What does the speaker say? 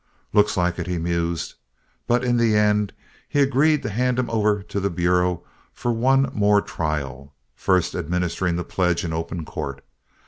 "Looks like it," he mused; but in the end he agreed to hand him over to the Bureau for one more trial, first administering the pledge in open court.